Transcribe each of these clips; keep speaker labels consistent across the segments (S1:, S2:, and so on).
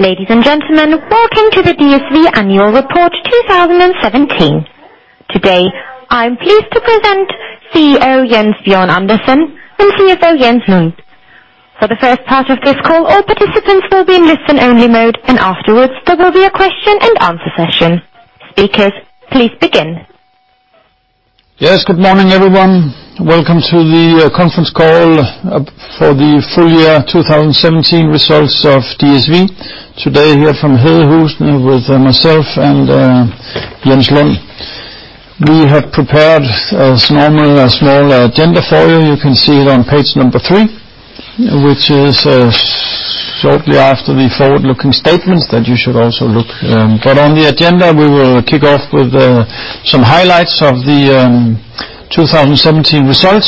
S1: Ladies and gentlemen, welcome to the DSV Annual Report 2017. Today, I'm pleased to present CEO Jens Bjørn Andersen and CFO Jens Lund. For the first part of this call, all participants will be in listen only mode. Afterwards, there will be a question and answer session. Speakers, please begin.
S2: Yes, good morning, everyone. Welcome to the conference call for the full year 2017 results of DSV. Today, here from Hedehusene with myself and Jens Lund. We have prepared, as normal, a small agenda for you. You can see it on page three, which is shortly after the forward-looking statements that you should also look. On the agenda, we will kick off with some highlights of the 2017 results.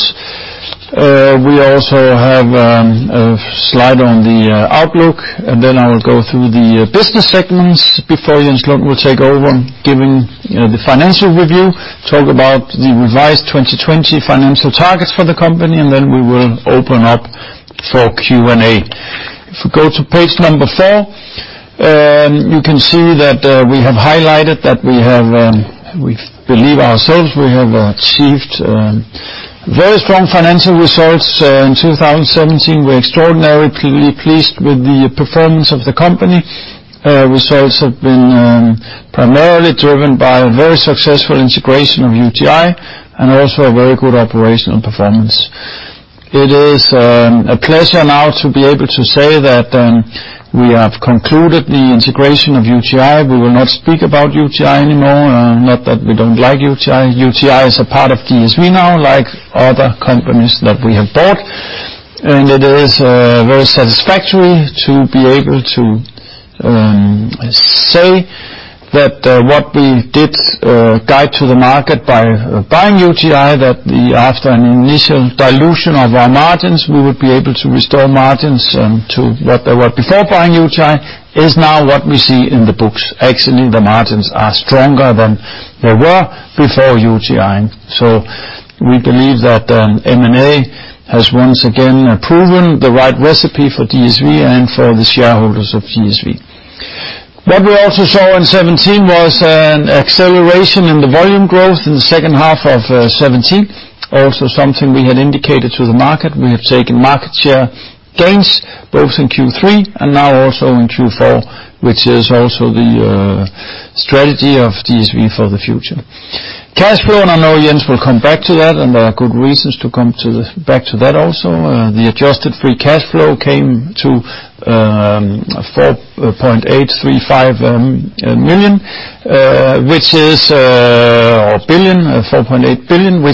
S2: We also have a slide on the outlook. Then I will go through the business segments before Jens Lund will take over, giving the financial review, talk about the revised 2020 financial targets for the company. Then we will open up for Q&A. If we go to page four, you can see that we have highlighted that we believe ourselves we have achieved very strong financial results in 2017. We're extraordinarily pleased with the performance of the company. Results have been primarily driven by a very successful integration of UTi and also a very good operational performance. It is a pleasure now to be able to say that we have concluded the integration of UTi. We will not speak about UTi anymore, not that we don't like UTi. UTi is a part of DSV now, like other companies that we have bought. It is very satisfactory to be able to say that what we did guide to the market by buying UTi, that after an initial dilution of our margins, we would be able to restore margins to what they were before buying UTi is now what we see in the books. Actually, the margins are stronger than they were before UTi. We believe that M&A has once again proven the right recipe for DSV and for the shareholders of DSV. What we also saw in 2017 was an acceleration in the volume growth in the second half of 2017. Also something we had indicated to the market. We have taken market share gains both in Q3 and now also in Q4, which is also the strategy of DSV for the future. Cash flow. I know Jens will come back to that. There are good reasons to come back to that also. The adjusted free cash flow came to 4.835 billion, which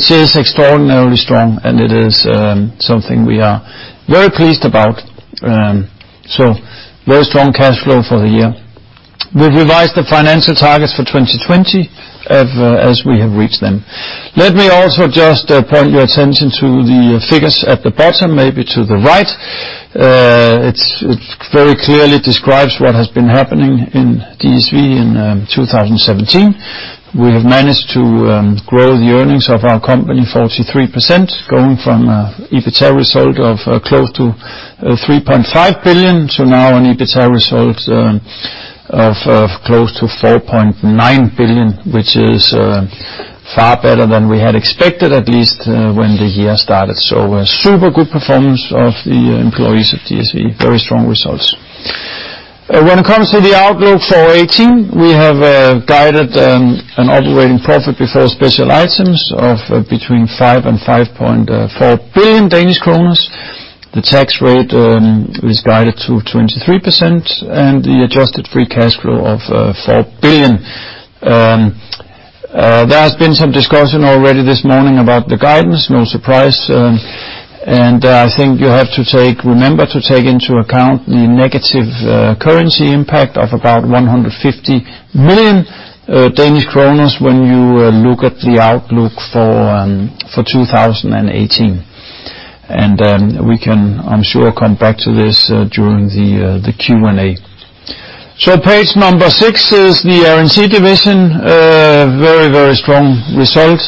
S2: is extraordinarily strong and it is something we are very pleased about. Very strong cash flow for the year. We've revised the financial targets for 2020 as we have reached them. Let me also just point your attention to the figures at the bottom, maybe to the right. It very clearly describes what has been happening in DSV in 2017. We have managed to grow the earnings of our company 43%, going from EBITDA result of close to 3.5 billion to now an EBITDA result of close to 4.9 billion, which is far better than we had expected, at least when the year started. A super good performance of the employees of DSV. Very strong results. When it comes to the outlook for 2018, we have guided an operating profit before special items of between 5 billion and 5.4 billion Danish kroner. The tax rate is guided to 23% and the adjusted free cash flow of 4 billion. There has been some discussion already this morning about the guidance. No surprise. I think you have to remember to take into account the negative currency impact of about 150 million Danish kroner when you look at the outlook for 2018. We can, I'm sure, come back to this during the Q&A. Page number six is the Air & Sea division. Very, very strong result.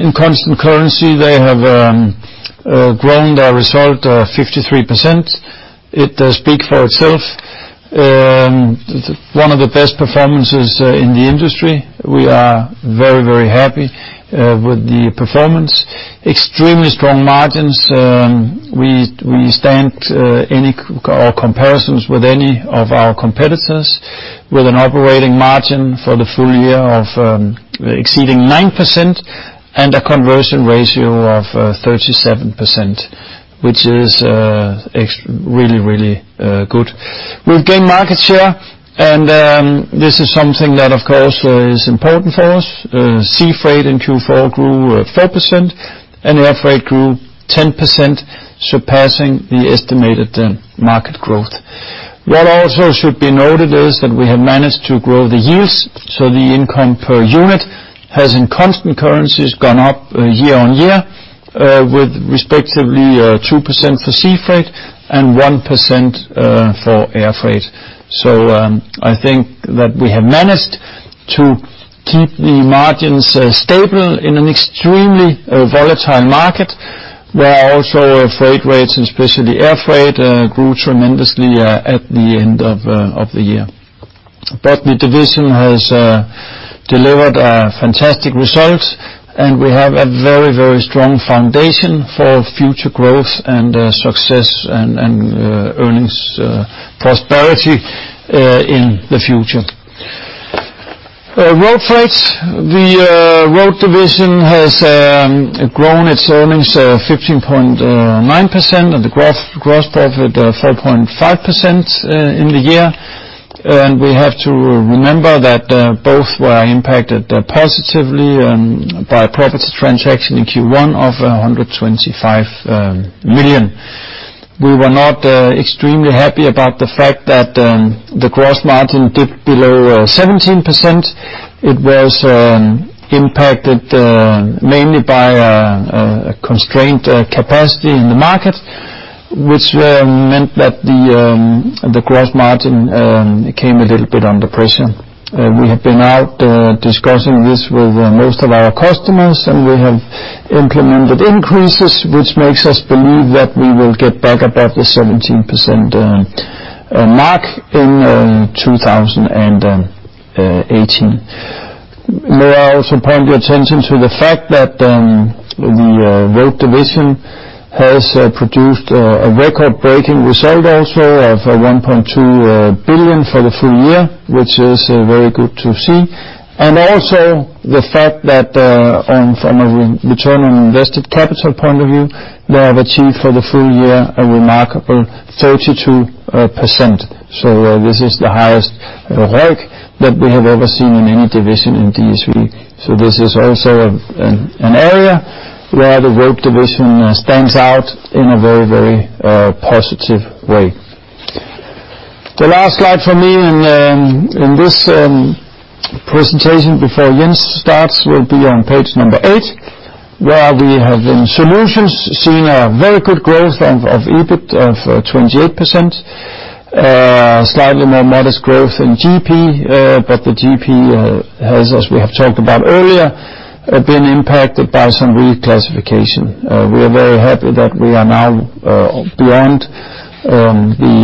S2: In constant currency, they have grown their result 53%. It does speak for itself. One of the best performances in the industry. We are very, very happy with the performance. Extremely strong margins. We stand any comparisons with any of our competitors with an operating margin for the full year exceeding 9% and a conversion ratio of 37%, which is really, really good. We have gained market share, and this is something that, of course, is important for us. Sea freight in Q4 grew 4% and air freight grew 10%, surpassing the estimated market growth. What also should be noted is that we have managed to grow the yields, the income per unit has, in constant currencies, gone up year-on-year with respectively 2% for sea freight and 1% for air freight. I think that we have managed to keep the margins stable in an extremely volatile market. Where also freight rates, especially air freight, grew tremendously at the end of the year. The division has delivered a fantastic result, and we have a very strong foundation for future growth and success and earnings prosperity in the future. Road Freight, the Road division has grown its earnings 15.9% of the gross profit, 4.5% in the year. We have to remember that both were impacted positively by a property transaction in Q1 of 125 million. We were not extremely happy about the fact that the gross margin dipped below 17%. It was impacted mainly by a constraint capacity in the market, which meant that the gross margin came a little bit under pressure. We have been out discussing this with most of our customers, and we have implemented increases, which makes us believe that we will get back above the 17% mark in 2018. May I also point your attention to the fact that the Road division has produced a record-breaking result also of 1.2 billion for the full year, which is very good to see. Also the fact that from a return on invested capital point of view, they have achieved for the full year a remarkable 32%. This is the highest ROIC that we have ever seen in any division in DSV. This is also an area where the Road division stands out in a very positive way. The last slide for me in this presentation before Jens starts will be on page number nine, where we have in Solutions seen a very good growth of EBIT of 28%. Slightly more modest growth in GP, but the GP has, as we have talked about earlier, been impacted by some reclassification. We are very happy that we are now beyond the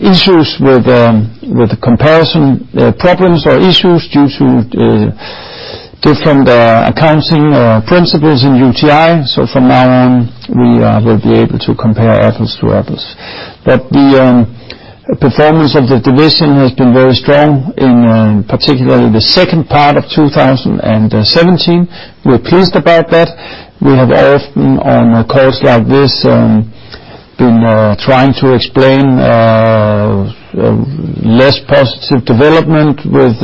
S2: issues with the comparison problems or issues due to different accounting principles in UTi. From now on, we will be able to compare apples to apples. The performance of the division has been very strong in particularly the second part of 2017. We are pleased about that. We have often on calls like this been trying to explain less positive development with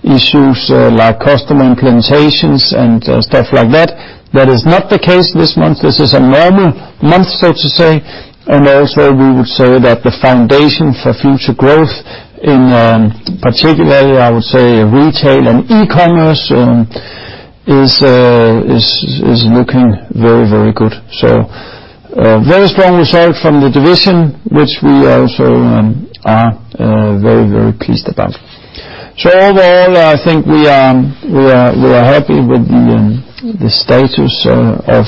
S2: issues like customer implementations and stuff like that. That is not the case this month. This is a normal month, so to say. Also, we would say that the foundation for future growth in particularly, I would say, retail and e-commerce is looking very good. A very strong result from the division, which we also are very pleased about. Overall, I think we are happy with the status of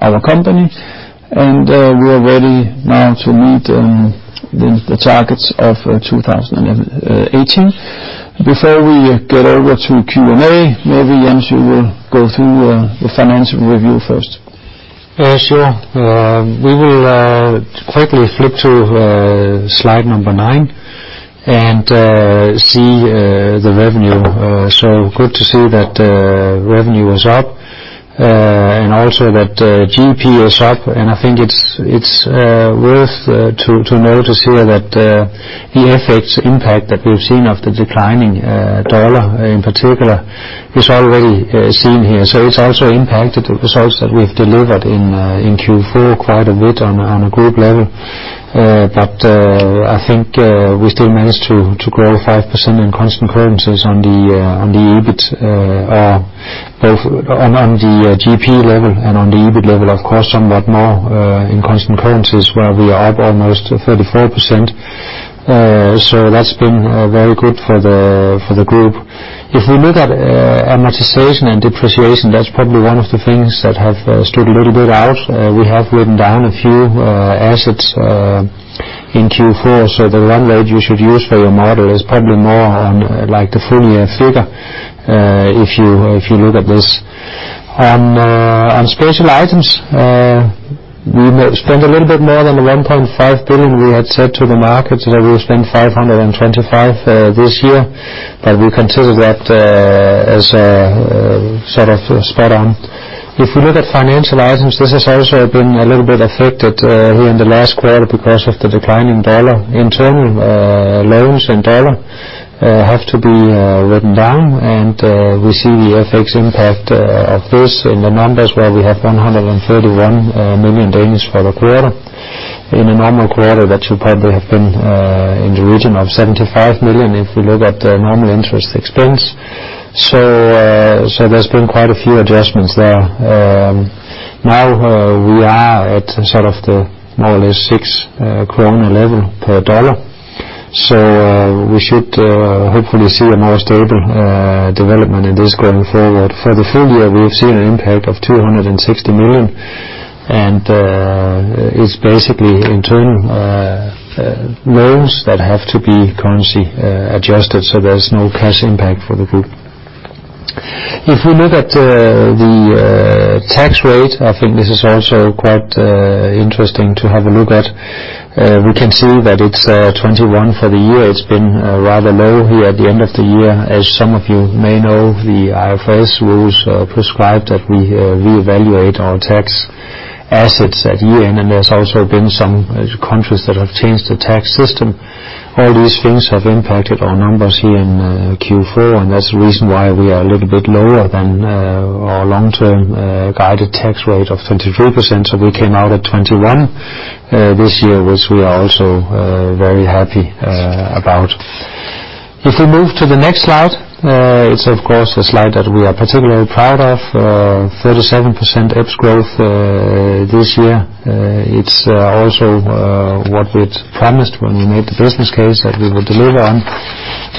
S2: our company, and we are ready now to meet the targets of 2018. Before we get over to Q&A, maybe, Jens, you will go through the financial review first.
S3: Sure. We will quickly flip to slide number nine and see the revenue. Good to see that revenue is up and also that GP is up. I think it is worth to notice here that the FX impact that we have seen of the declining USD in particular is already seen here. It is also impacted the results that we have delivered in Q4 quite a bit on a group level. I think we still managed to grow 5% in constant currencies on the EBIT, both on the GP level and on the EBIT level, of course, somewhat more in constant currencies, where we are up almost 34%. That has been very good for the group. If we look at amortization and depreciation, that is probably one of the things that have stood a little bit out. We have written down a few assets in Q4. The run rate you should use for your model is probably more on the full year figure if you look at this. On special items, we spent a little bit more than the 1.5 billion we had said to the market. We will spend 525 this year, but we consider that as sort of spot on. If we look at financial items, this has also been a little bit affected here in the last quarter because of the decline in USD. Internal loans in USD have to be written down, and we see the FX impact of this in the numbers where we have 131 million for the quarter. In a normal quarter, that should probably have been in the region of 75 million if we look at the normal interest expense. There has been quite a few adjustments there. We are at sort of the more or less 6 kroner level per dollar. We should hopefully see a more stable development in this going forward. For the full year, we have seen an impact of 260 million, and it's basically internal loans that have to be currency adjusted, so there's no cash impact for the group. If we look at the tax rate, I think this is also quite interesting to have a look at. We can see that it's 21% for the year. It's been rather low here at the end of the year. As some of you may know, the IFRS rules prescribe that we reevaluate our tax assets at year-end, and there's also been some countries that have changed the tax system. All these things have impacted our numbers here in Q4, and that's the reason why we are a little bit lower than our long-term guided tax rate of 23%. We came out at 21% this year, which we are also very happy about. If we move to the next slide, it's of course, a slide that we are particularly proud of. 37% EPS growth this year. It's also what we'd promised when we made the business case that we will deliver on.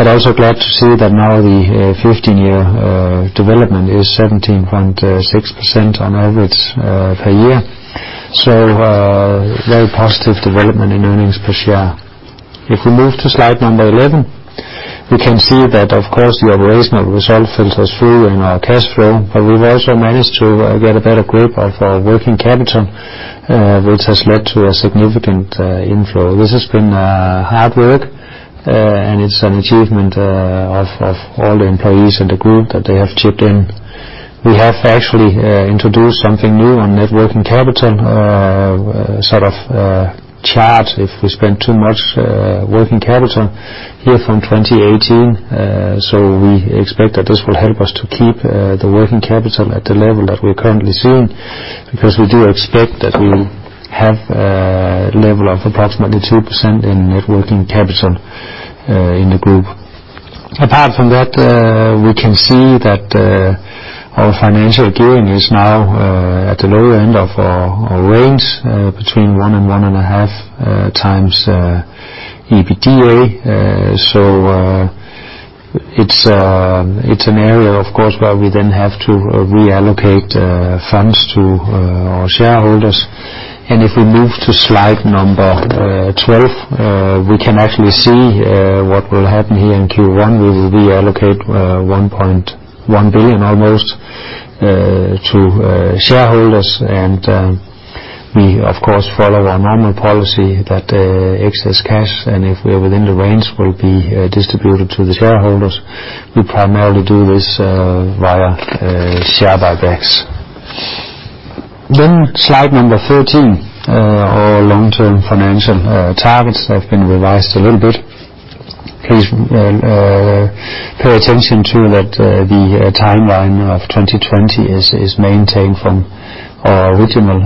S3: Also glad to see that now the 15-year development is 17.6% on average per year. A very positive development in earnings per share. If we move to slide number 11, we can see that, of course, the operational result filters through in our cash flow, but we've also managed to get a better grip of our working capital, which has led to a significant inflow. This has been hard work, and it's an achievement of all the employees and the group that they have chipped in. We have actually introduced something new on net working capital, a sort of chart if we spend too much working capital here from 2018. We expect that this will help us to keep the working capital at the level that we're currently seeing, because we do expect that we'll have a level of approximately 2% in net working capital in the group. Apart from that, we can see that our financial gearing is now at the lower end of our range between 1 and 1.5 times EBITDA. It's an area, of course, where we then have to reallocate funds to our shareholders. If we move to slide number 12, we can actually see what will happen here in Q1. We will reallocate 1.1 billion almost to shareholders, and we, of course, follow our normal policy that excess cash, and if we're within the range, will be distributed to the shareholders. Slide number 13, our long-term financial targets have been revised a little bit. Please pay attention to that the timeline of 2020 is maintained from our original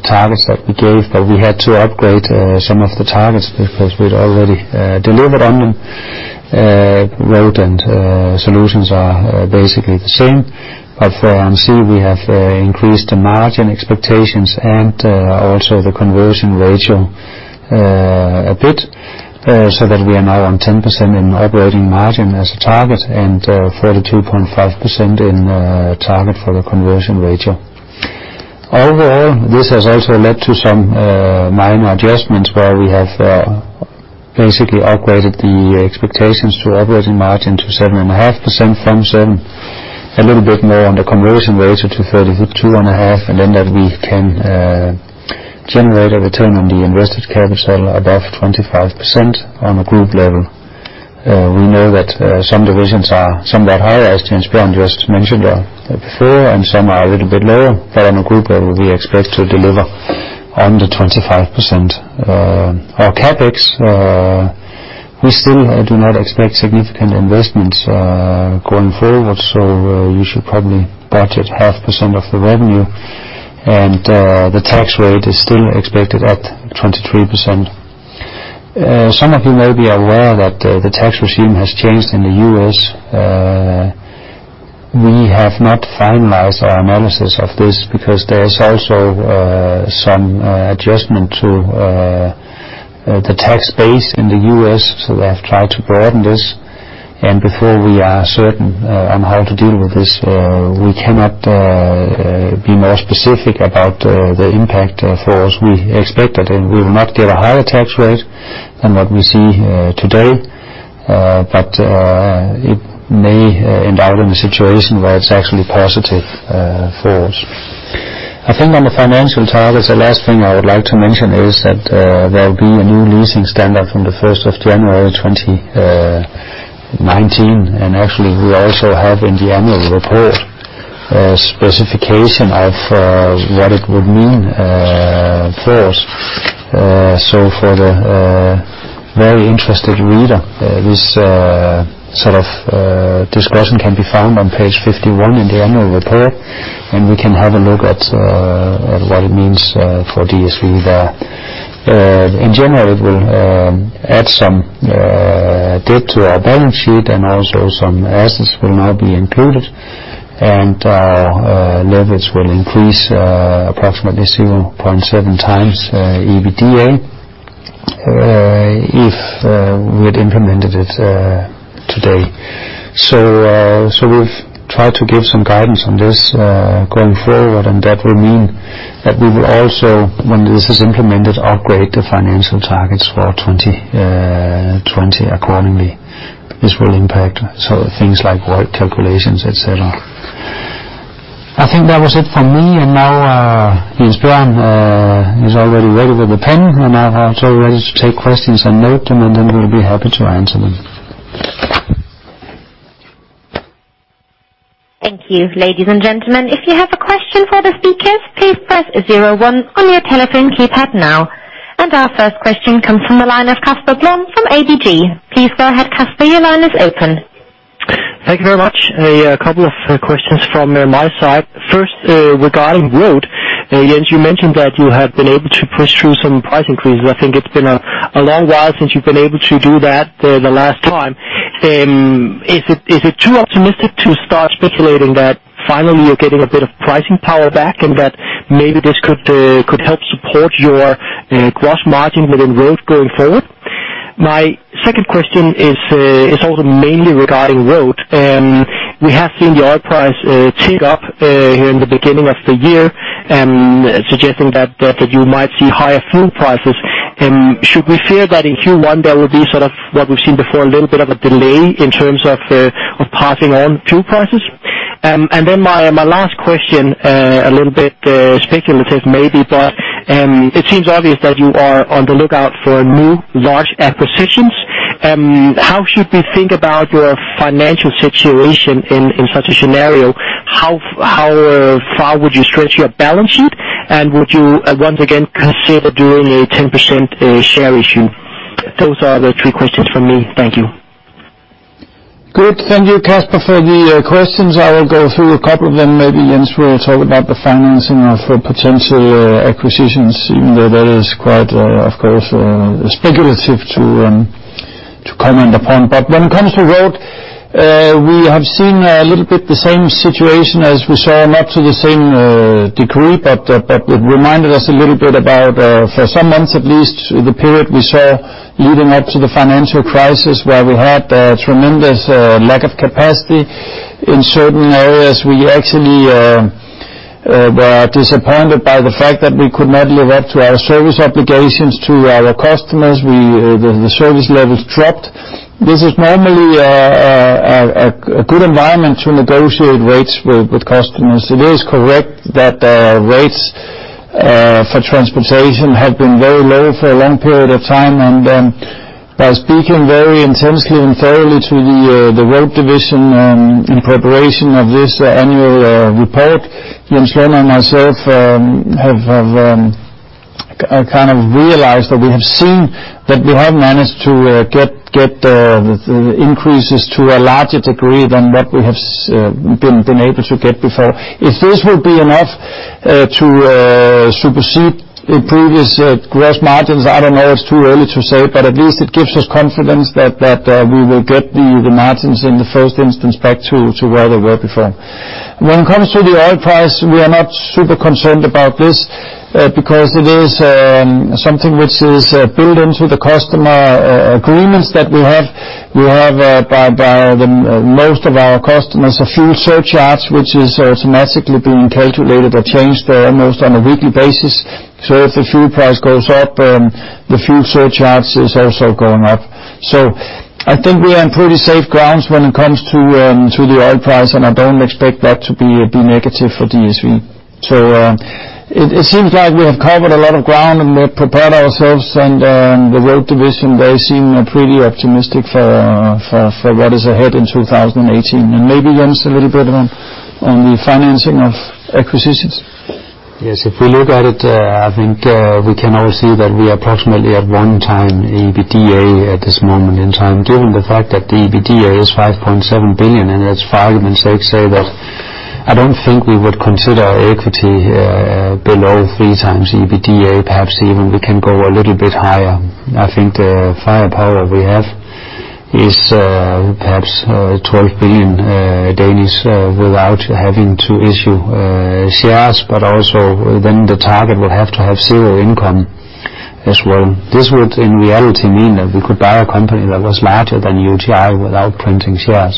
S3: targets that we gave, but we had to upgrade some of the targets because we'd already delivered on them. Road and Solutions are basically the same. On Sea, we have increased the margin expectations and also the conversion ratio a bit so that we are now on 10% in operating margin as a target and 32.5% in target for the conversion ratio. Overall, this has also led to some minor adjustments where we have basically upgraded the expectations to operating margin to 7.5% from 7%. A little bit more on the conversion ratio to 32.5%, that we can generate a return on the invested capital above 25% on a group level. We know that some divisions are somewhat higher, as Jens Bjørn just mentioned before, and some are a little bit lower. On a group level, we expect to deliver on the 25%. Our CapEx, we still do not expect significant investments going forward, so you should probably budget 0.5% of the revenue, and the tax rate is still expected at 23%. Some of you may be aware that the tax regime has changed in the U.S. We have not finalized our analysis of this because there is also some adjustment to the tax base in the U.S., they have tried to broaden this. Before we are certain on how to deal with this, we cannot be more specific about the impact for us. We expect that we will not get a higher tax rate than what we see today, but it may end out in a situation where it's actually positive for us. I think on the financial targets, the last thing I would like to mention is that there will be a new leasing standard from the 1st of January 2019. Actually, we also have in the annual report a specification of what it would mean for us. For the very interested reader, this sort of discussion can be found on page 51 in the annual report, we can have a look at what it means for DSV there. In general, it will add some Debt to our balance sheet and also some assets will now be included. Our leverage will increase approximately 0.7 times EBITDA, if we had implemented it today. We've tried to give some guidance on this going forward, that will mean that we will also, when this is implemented, upgrade the financial targets for 2020 accordingly. This will impact things like rate calculations, et cetera. I think that was it from me, now Jens Bjørn is already ready with the pen, I'm also ready to take questions and note them, we'll be happy to answer them.
S1: Thank you. Ladies and gentlemen, if you have a question for the speakers, please press 01 on your telephone keypad now. Our first question comes from the line of Casper Blom from ABG. Please go ahead, Casper, your line is open.
S4: Thank you very much. A couple of questions from my side. First, regarding Road, Jens, you mentioned that you have been able to push through some price increases. I think it's been a long while since you've been able to do that the last time. Is it too optimistic to start speculating that finally you're getting a bit of pricing power back, and that maybe this could help support your gross margin within Road going forward? My second question is also mainly regarding Road. We have seen the oil price tick up here in the beginning of the year, suggesting that you might see higher fuel prices. Should we fear that in Q1 there will be sort of what we've seen before, a little bit of a delay in terms of passing on fuel prices? My last question, a little bit speculative maybe, it seems obvious that you are on the lookout for new large acquisitions. How should we think about your financial situation in such a scenario? How far would you stretch your balance sheet? Would you once again consider doing a 10% share issue? Those are the three questions from me. Thank you.
S2: Good. Thank you, Casper, for the questions. I will go through a couple of them, maybe Jens will talk about the financing of potential acquisitions, even though that is quite, of course, speculative to comment upon. When it comes to Road, we have seen a little bit the same situation as we saw, not to the same degree, it reminded us a little bit about, for some months at least, the period we saw leading up to the financial crisis, where we had a tremendous lack of capacity in certain areas. We actually were disappointed by the fact that we could not live up to our service obligations to our customers. The service levels dropped. This is normally a good environment to negotiate rates with customers. It is correct that rates for transportation have been very low for a long period of time. By speaking very intensely and thoroughly to the Road division in preparation of this annual report, Jens Bjørn and myself have realized that we have seen that we have managed to get the increases to a larger degree than what we have been able to get before. If this will be enough to supersede previous gross margins, I don't know. It's too early to say, but at least it gives us confidence that we will get the margins in the first instance back to where they were before. When it comes to the oil price, we are not super concerned about this, because it is something which is built into the customer agreements that we have. We have, by most of our customers, a fuel surcharge, which is automatically being calculated or changed almost on a weekly basis. If the fuel price goes up, the fuel surcharge is also going up. I think we are on pretty safe grounds when it comes to the oil price, and I don't expect that to be negative for DSV. It seems like we have covered a lot of ground and prepared ourselves and the Road division, they seem pretty optimistic for what is ahead in 2018. Maybe, Jens, a little bit on the financing of acquisitions. Yes. If we look at it, I think we can all see that we are approximately at 1x EBITDA at this moment in time, given the fact that the EBITDA is 5.7 billion, and it's 5 and 6, say that I don't think we would consider equity below 3x EBITDA, perhaps even we can go a little bit higher. I think the firepower we have is perhaps 12 billion without having to issue shares, but also then the target will have to have zero income as well. This would, in reality, mean that we could buy a company that was larger than UTi without printing shares.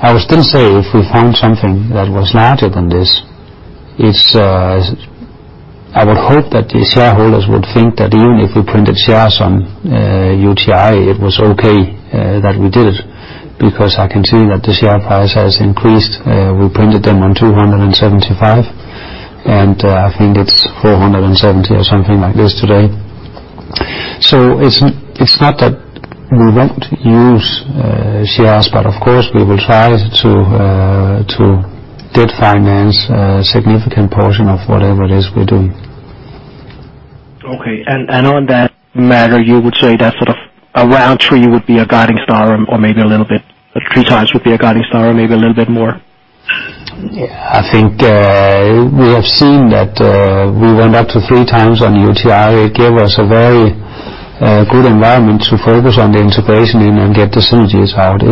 S2: I would still say if we found something that was larger than this, I would hope that the shareholders would think that even if we printed shares on UTi, it was okay that we did it, because I can see that the share price has increased. We printed them on 275, and I think it's 470 or something like this today. It's not that we won't use shares, but of course, we will try to debt finance a significant portion of whatever it is we're doing.
S4: Okay. On that matter, you would say that sort of around three would be a guiding star or maybe a little bit, 3x would be a guiding star or maybe a little bit more?
S3: We have seen that we went up to 3 times on UTi. It gave us a very good environment to focus on the integration and get the synergies out.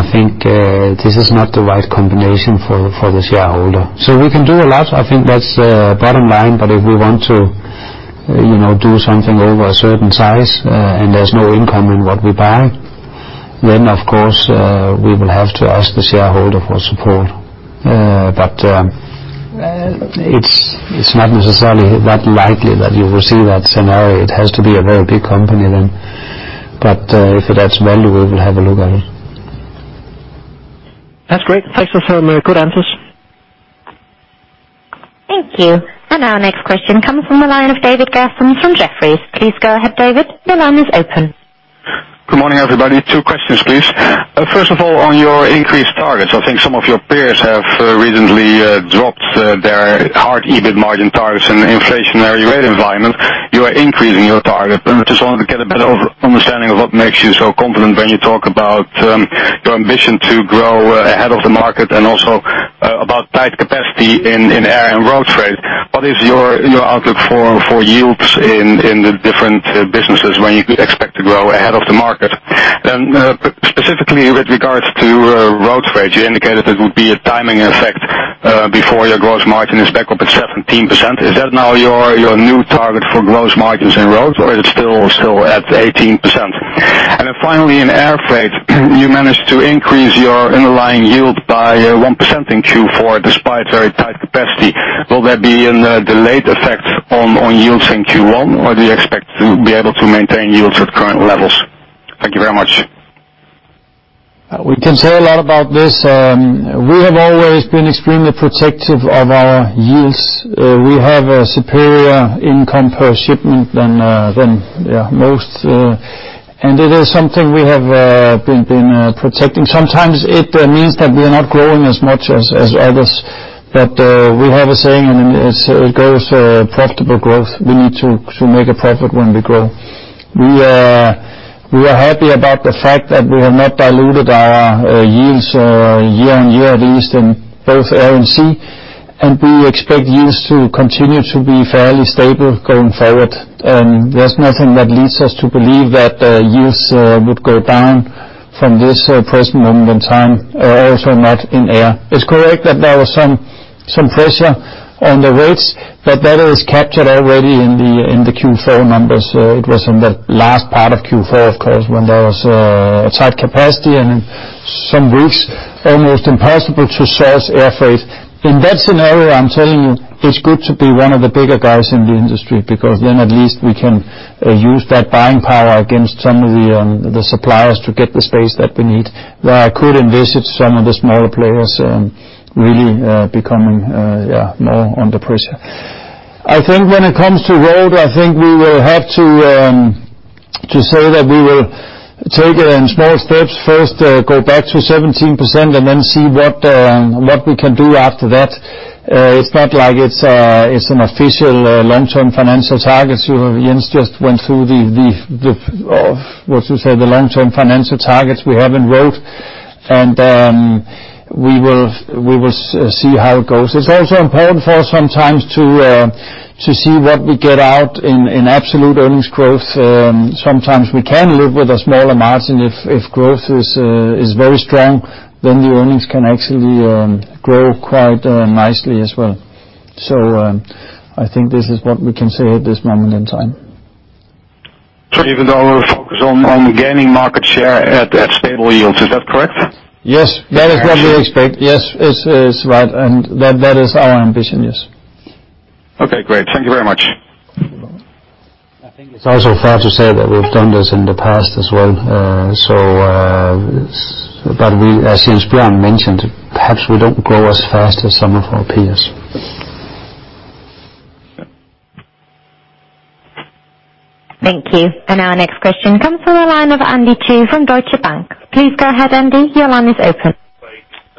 S3: I think this is not the right combination for the shareholder. We can do a lot, I think that's the bottom line. If we want to do something over a certain size, and there's no income in what we buy, then of course, we will have to ask the shareholder for support. It's not necessarily that likely that you will see that scenario. It has to be a very big company then. If it adds value, we will have a look at it.
S4: That's great. Thanks for some good answers.
S1: Thank you. Our next question comes from the line of David Gafgen from Jefferies. Please go ahead, David. Your line is open.
S5: Good morning, everybody. Two questions, please. First of all, on your increased targets, I think some of your peers have recently dropped their hard EBIT margin targets in an inflationary rate environment. You are increasing your target. I just wanted to get a better understanding of what makes you so confident when you talk about your ambition to grow ahead of the market and also about tight capacity in Air and Road freight. What is your outlook for yields in the different businesses when you could expect to grow ahead of the market? Specifically with regards to Road freight, you indicated it would be a timing effect before your gross margin is back up at 17%. Is that now your new target for gross margins in Road, or is it still at 18%? Finally, in air freight, you managed to increase your underlying yield by 1% in Q4, despite very tight capacity. Will there be a delayed effect on yields in Q1, or do you expect to be able to maintain yields at current levels? Thank you very much.
S2: We can say a lot about this. We have always been extremely protective of our yields. We have a superior income per shipment than most. It is something we have been protecting. Sometimes it means that we are not growing as much as others. We have a saying, and it goes, "Profitable growth." We need to make a profit when we grow. We are happy about the fact that we have not diluted our yields year-on-year, at least in both air and sea, and we expect yields to continue to be fairly stable going forward. There's nothing that leads us to believe that yields would go down from this present moment in time, also not in air. It's correct that there was some pressure on the rates, but that is captured already in the Q4 numbers. It was in the last part of Q4, of course, when there was a tight capacity and some weeks almost impossible to source air freight. In that scenario, I'm telling you, it's good to be one of the bigger guys in the industry, because then at least we can use that buying power against some of the suppliers to get the space that we need. Where I could envisage some of the smaller players really becoming more under pressure. I think when it comes to Road, I think we will have to say that we will take it in small steps first, go back to 17% and then see what we can do after that. It's not like it's an official long-term financial target. Jens just went through the, what you say, the long-term financial targets we have in Road. We will see how it goes. It's also important for us sometimes to see what we get out in absolute earnings growth. Sometimes we can live with a smaller margin. If growth is very strong, then the earnings can actually grow quite nicely as well. I think this is what we can say at this moment in time.
S5: Even though we're focused on gaining market share at stable yields, is that correct?
S2: Yes. That is what we expect. Yes, it is right. That is our ambition, yes.
S5: Okay, great. Thank you very much.
S3: I think it's also fair to say that we've done this in the past as well. As Jens Bjørn mentioned, perhaps we don't grow as fast as some of our peers.
S1: Thank you. Our next question comes from the line of Andy Chu from Deutsche Bank. Please go ahead, Andy. Your line is open.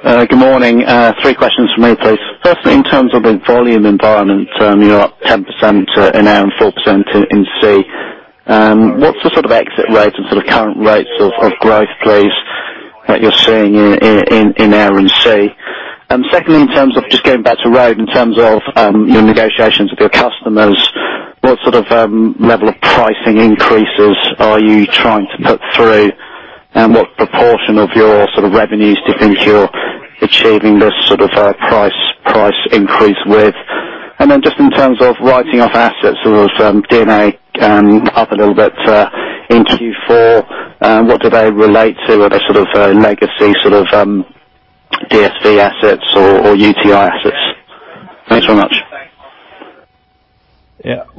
S6: Good morning. Three questions from me, please. First, in terms of the volume environment, you're up 10% in air and 4% in sea. What's the sort of exit rate and sort of current rates of growth, please, that you're seeing in air and sea? Secondly, in terms of just going back to Road, in terms of your negotiations with your customers, what sort of level of pricing increases are you trying to put through? What proportion of your sort of revenues do you think you're achieving this sort of price increase with? Then just in terms of writing off assets, D&A up a little bit in Q4. What do they relate to? Are they sort of legacy sort of DSV assets or UTi assets? Thanks very much.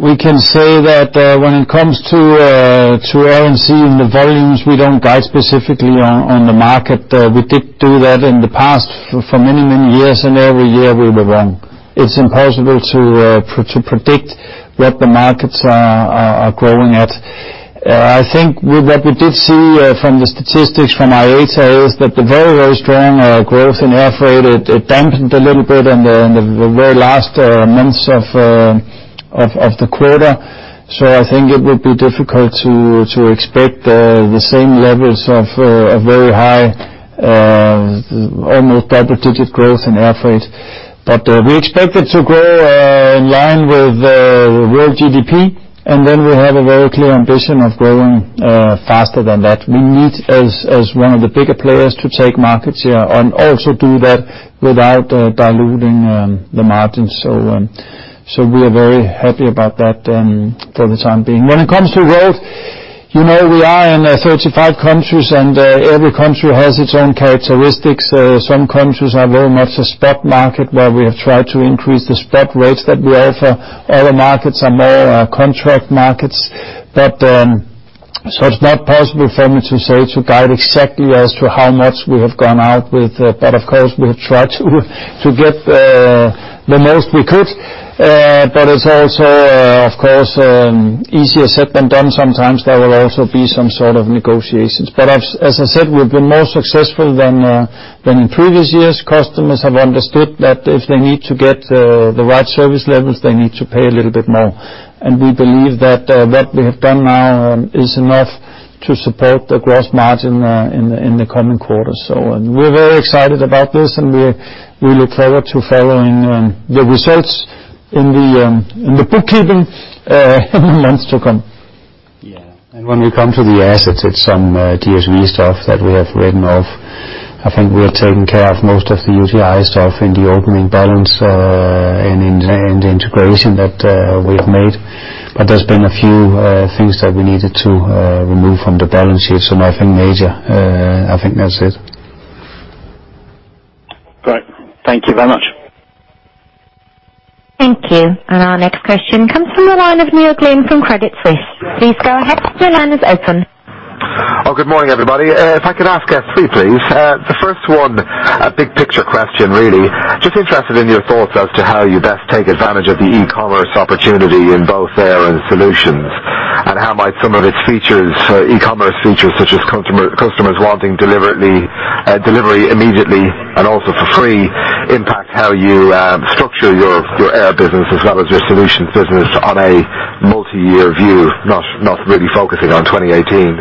S2: We can say that when it comes to air and sea and the volumes, we don't guide specifically on the market. We did do that in the past for many, many years, and every year we were wrong. It's impossible to predict what the markets are growing at. I think what we did see from the statistics from IATA is that the very, very strong growth in air freight, it dampened a little bit in the very last months of the quarter. I think it would be difficult to expect the same levels of very high, almost double-digit growth in air freight. We expect it to grow in line with the world GDP, then we have a very clear ambition of growing faster than that. We need, as one of the bigger players, to take market share and also do that without diluting the margins. We are very happy about that for the time being. When it comes to growth, we are in 35 countries, every country has its own characteristics. Some countries are very much a spot market where we have tried to increase the spot rates that we offer. Other markets are more contract markets. It's not possible for me to say, to guide exactly as to how much we have gone out with. Of course, we have tried to get the most we could. It's also, of course, easier said than done sometimes. There will also be some sort of negotiations. As I said, we've been more successful than in previous years. Customers have understood that if they need to get the right service levels, they need to pay a little bit more. We believe that what we have done now is enough to support the gross margin in the coming quarters. We're very excited about this, and we look forward to following the results in the bookkeeping in the months to come.
S3: Yeah. When we come to the assets, it's some DSV stuff that we have written off. I think we have taken care of most of the UTi stuff in the opening balance and in the integration that we've made. There's been a few things that we needed to remove from the balance sheets. Nothing major. I think that's it.
S6: Great. Thank you very much.
S1: Thank you. Our next question comes from the line of Neil Glynn from Credit Suisse. Please go ahead. Your line is open.
S7: Good morning, everybody. If I could ask 3, please. The first one, a big picture question, really. Just interested in your thoughts as to how you best take advantage of the e-commerce opportunity in both Air & Sea and Solutions. How might some of its features, e-commerce features, such as customers wanting delivery immediately, and also for free, impact how you structure your Air & Sea business as well as your Solutions business on a multi-year view, not really focusing on 2018.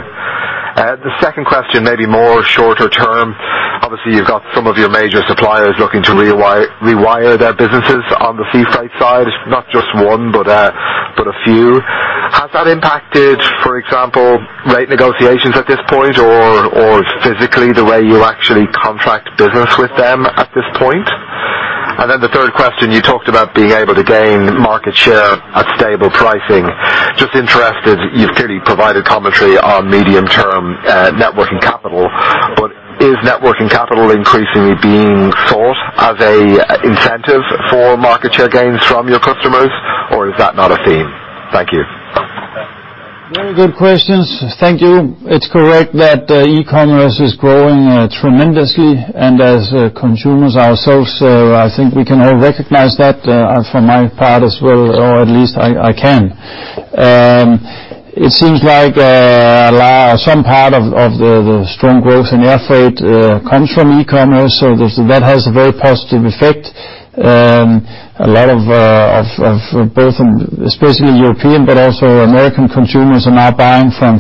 S7: The second question may be more shorter term. Obviously, you've got some of your major suppliers looking to rewire their businesses on the sea freight side. Not just one, but a few. Has that impacted, for example, rate negotiations at this point or physically the way you actually contract business with them at this point? The third question, you talked about being able to gain market share at stable pricing. Just interested, you've clearly provided commentary on medium-term net working capital, but is net working capital increasingly being sought as an incentive for market share gains from your customers, or is that not a theme? Thank you.
S2: Very good questions. Thank you. It's correct that e-commerce is growing tremendously, and as consumers ourselves, I think we can all recognize that, for my part as well, or at least I can. It seems like some part of the strong growth in air freight comes from e-commerce, so that has a very positive effect. A lot of both, especially European but also American consumers are now buying from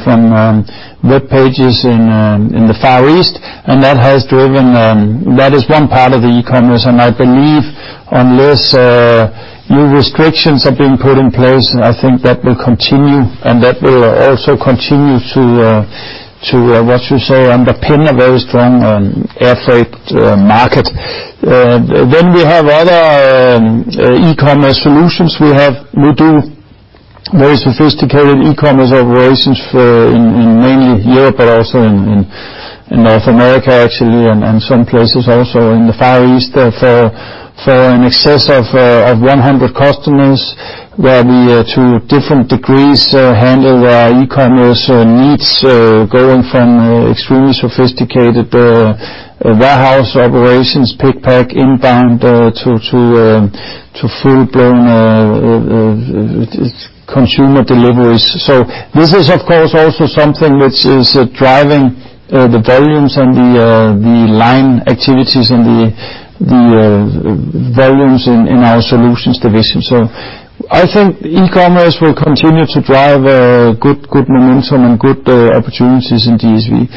S2: webpages in the Far East, and that is one part of the e-commerce. I believe unless new restrictions have been put in place, I think that will continue, and that will also continue to, what you say, underpin a very strong air freight market. We have other e-commerce solutions. We do very sophisticated e-commerce operations in mainly here, but also in North America, actually, and some places also in the Far East there for in excess of 100 customers where we, to different degrees, handle their e-commerce needs, going from extremely sophisticated warehouse operations, pick, pack, inbound, to full-blown consumer deliveries. This is, of course, also something which is driving the volumes and the line activities and the volumes in our Solutions division. I think e-commerce will continue to drive good momentum and good opportunities in DSV.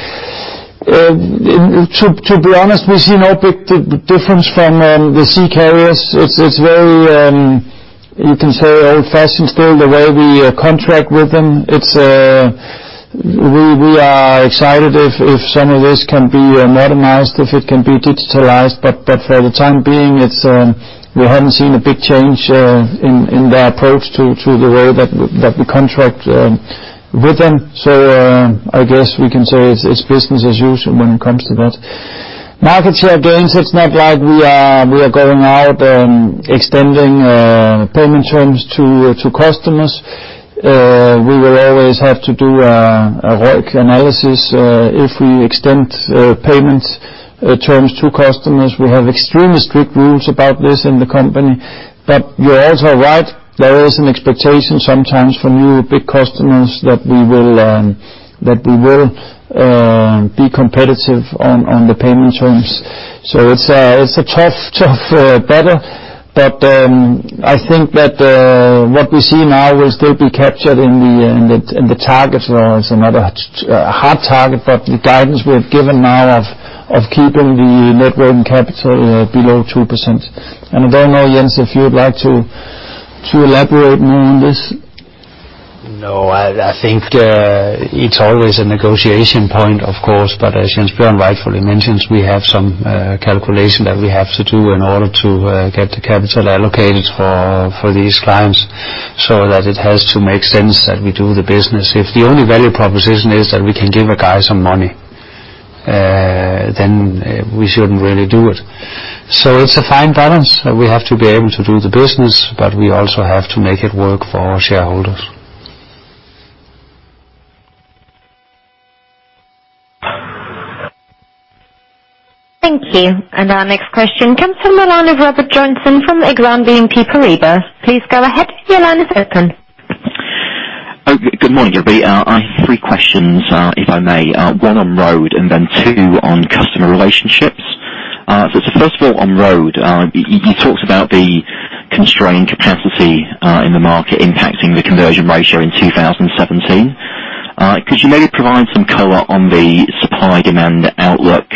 S2: To be honest, we see no big difference from the sea carriers. It's very, you can say, old-fashioned still, the way we contract with them. We are excited if some of this can be modernized, if it can be digitalized, but for the time being, we haven't seen a big change in their approach to the way that we contract with them. I guess we can say it's business as usual when it comes to that. Market share gains, it's not like we are going out and extending payment terms to customers. We will always have to do a ROIC analysis. If we extend payment terms to customers, we have extremely strict rules about this in the company. You're also right. There is an expectation sometimes from new big customers that we will be competitive on the payment terms. It's a tough battle. I think that what we see now will still be captured in the targets. It's not a hard target, the guidance we have given now of keeping the net working capital below 2%. I don't know, Jens, if you would like to elaborate more on this.
S3: I think it's always a negotiation point, of course. As Jens Bjørn rightfully mentions, we have some calculation that we have to do in order to get the capital allocated for these clients, so that it has to make sense that we do the business. If the only value proposition is that we can give a guy some money, then we shouldn't really do it. It's a fine balance. We have to be able to do the business, but we also have to make it work for our shareholders.
S1: Thank you. Our next question comes from the line of Robert Joynson from Exane BNP Paribas. Please go ahead. Your line is open.
S8: Good morning, everybody. I have three questions, if I may. One on Road and then two on customer relationships. First of all, on Road. You talked about the constrained capacity in the market impacting the conversion ratio in 2017. Could you maybe provide some color on the supply-demand outlook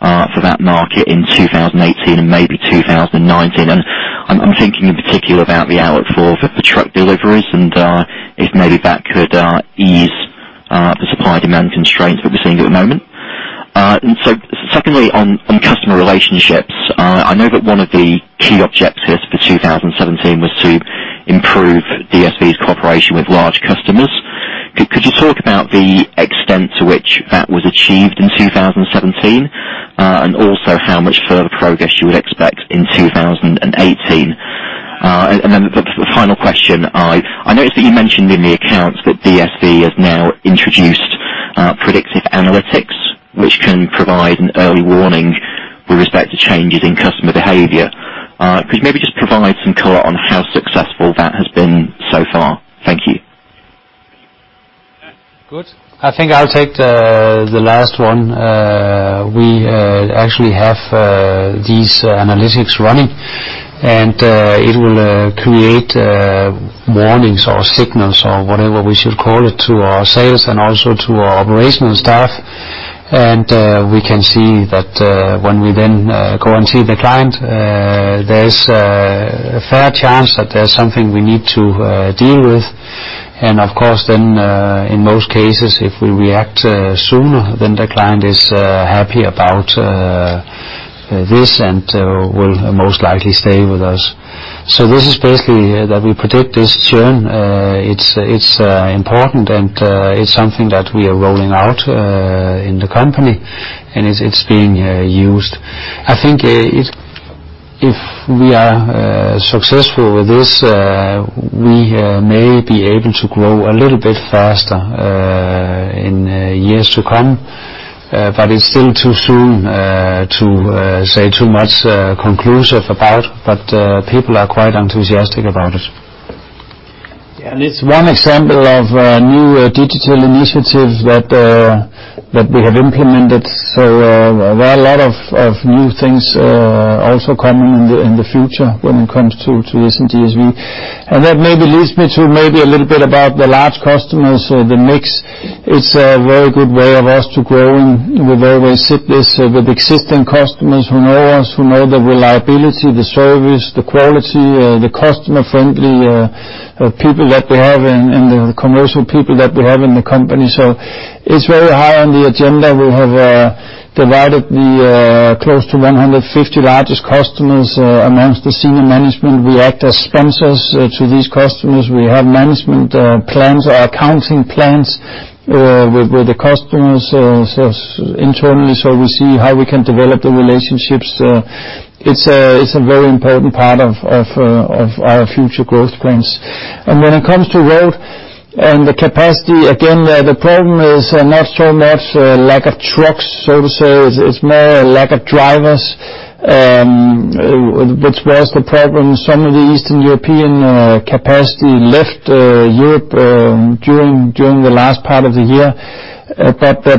S8: for that market in 2018 and maybe 2019? I'm thinking in particular about the outlook for truck deliveries and if maybe that could ease the supply-demand constraints that we're seeing at the moment. Secondly, on customer relationships. I know that one of the key objectives for 2017 was to improve DSV's cooperation with large customers. Could you talk about the extent to which that was achieved in 2017? Also how much further progress you would expect in 2018? Then the final question. I noticed that you mentioned in the accounts that DSV has now introduced predictive analytics, which can provide an early warning with respect to changes in customer behavior. Could you maybe just provide some color on how successful that has been so far? Thank you.
S3: Good. I think I'll take the last one. We actually have these analytics running, it will create warnings or signals or whatever we should call it, to our sales and also to our operational staff. We can see that when we then go and see the client, there is a fair chance that there's something we need to deal with. Of course then, in most cases, if we react sooner, then the client is happy about this and will most likely stay with us. This is basically that we predict this churn. It's important, it's something that we are rolling out in the company, it's being used. I think if we are successful with this, we may be able to grow a little bit faster in years to come. It's still too soon to say too much conclusive about, but people are quite enthusiastic about it.
S2: Yeah. It's one example of a new digital initiative that we have implemented. There are a lot of new things also coming in the future when it comes to DSV. That maybe leads me to maybe a little bit about the large customers or the mix. It's a very good way of us to grow, and we've always said this with existing customers who know us, who know the reliability, the service, the quality, the customer-friendly people that we have and the commercial people that we have in the company. It's very high on the agenda. We have divided the close to 150 largest customers amongst the senior management. We act as sponsors to these customers. We have management plans or accounting plans with the customers internally, so we see how we can develop the relationships. It's a very important part of our future growth plans. When it comes to Road and the capacity, again, the problem is not so much lack of trucks, so to say. It's more a lack of drivers, which was the problem. Some of the Eastern European capacity left Europe during the last part of the year.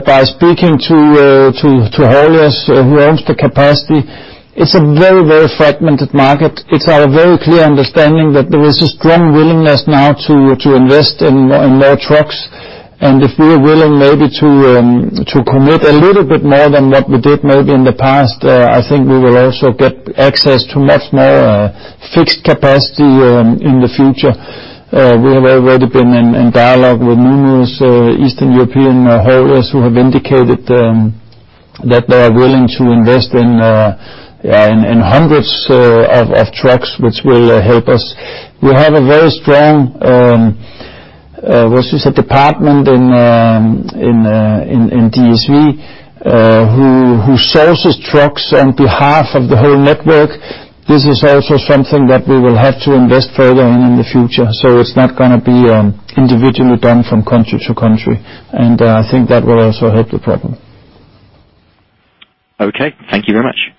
S2: By speaking to hauliers who owns the capacity, it's a very, very fragmented market. It's our very clear understanding that there is a strong willingness now to invest in more trucks, and if we are willing maybe to commit a little bit more than what we did maybe in the past, I think we will also get access to much more fixed capacity in the future. We have already been in dialogue with numerous Eastern European hauliers who have indicated that they are willing to invest in hundreds of trucks, which will help us. We have a very strong, what you say, department in DSV, who sources trucks on behalf of the whole network. This is also something that we will have to invest further in the future. It's not going to be individually done from country to country. I think that will also help the problem.
S8: Okay. Thank you very much.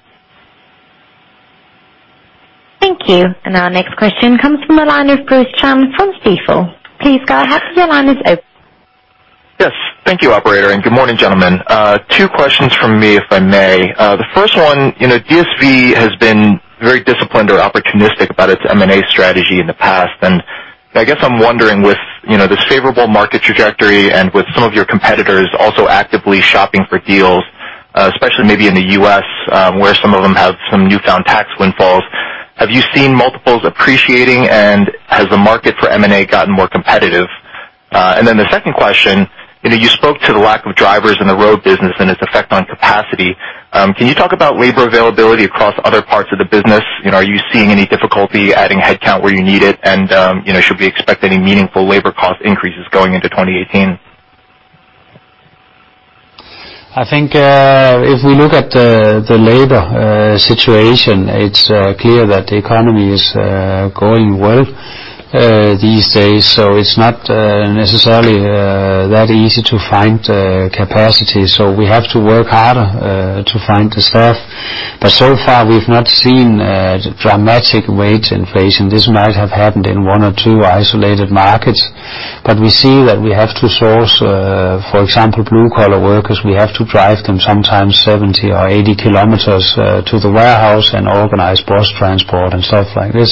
S1: Thank you. Our next question comes from the line of Bruce Chan from Stifel. Please go ahead. Your line is open.
S9: Yes. Thank you operator, and good morning, gentlemen. Two questions from me, if I may. The first one, DSV has been very disciplined or opportunistic about its M&A strategy in the past. I guess I'm wondering with this favorable market trajectory and with some of your competitors also actively shopping for deals, especially maybe in the U.S., where some of them have some newfound tax windfalls, have you seen multiples appreciating and has the market for M&A gotten more competitive? The second question, you spoke to the lack of drivers in the Road business and its effect on capacity. Can you talk about labor availability across other parts of the business? Are you seeing any difficulty adding headcount where you need it? Should we expect any meaningful labor cost increases going into 2018?
S3: I think, if we look at the labor situation, it's clear that the economy is going well these days. It's not necessarily that easy to find capacity, so we have to work harder to find the staff. So far, we've not seen dramatic wage inflation. This might have happened in one or two isolated markets. We see that we have to source, for example, blue collar workers. We have to drive them sometimes 70 or 80 km to the warehouse and organize bus transport and stuff like this.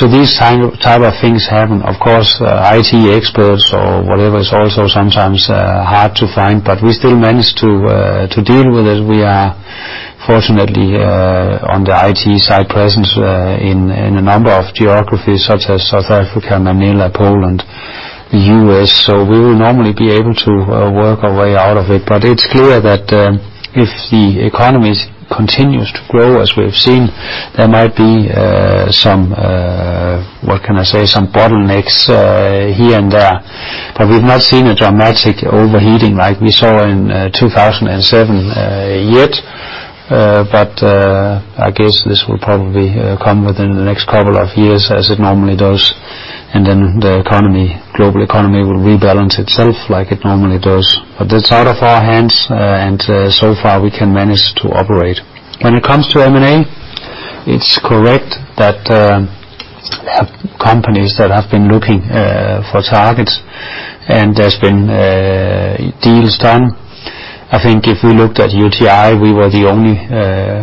S3: These type of things happen. Of course, IT experts or whatever is also sometimes hard to find, but we still manage to deal with it. We are fortunately on the IT side presence in a number of geographies such as South Africa, Manila, Poland, the U.S. We will normally be able to work our way out of it. It's clear that if the economy continues to grow as we have seen, there might be some, what can I say, some bottlenecks here and there. We've not seen a dramatic overheating like we saw in 2007 yet. I guess this will probably come within the next couple of years as it normally does, then the global economy will rebalance itself like it normally does. That's out of our hands, so far we can manage to operate. When it comes to M&A, it's correct that companies that have been looking for targets and there's been deals done. I think if we looked at UTi, we were the only